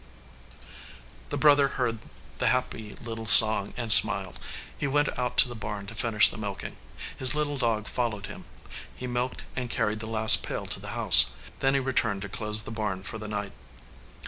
The brother heard the happy little song, and smiled. He went out to the barn to finish the milking. His little dog followed him. He milked and carried the last pail to the house. Then he returned to close the barn for the night.